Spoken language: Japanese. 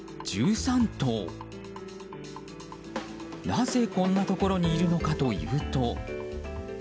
なぜ、こんなところにいるのかというと。